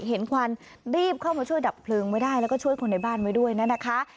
ควันรีบเข้ามาช่วยดับเพลิงไว้ได้แล้วก็ช่วยคนในบ้านไว้ด้วยนะคะ